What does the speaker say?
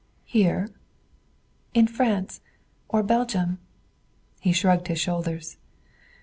"Here?" "In France. Or Belgium." He shrugged his shoulders.